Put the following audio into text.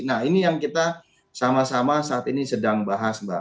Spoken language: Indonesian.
nah ini yang kita sama sama saat ini sedang bahas mbak